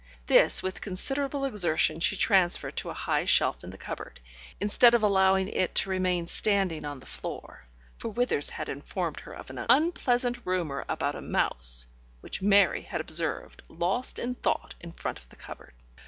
This with considerable exertion she transferred to a high shelf in the cupboard, instead of allowing it to remain standing on the floor, for Withers had informed her of an unpleasant rumour about a mouse, which Mary had observed, lost in thought in front of the cupboard.